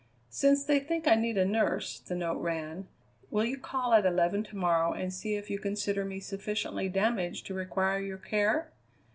"Since they think I need a nurse," the note ran, "will you call at eleven to morrow and see if you consider me sufficiently damaged to require your care?